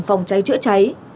phòng cháy chữa cháy